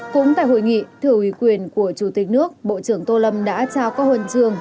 cũng tại hội nghị thử ủy quyền của chủ tịch nước bộ trưởng tô lâm đã trao có hồn trường